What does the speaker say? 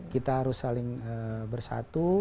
kita harus saling bersatu